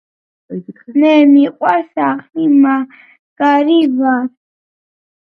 მე მიყვარს სახლი მაგარი ვარ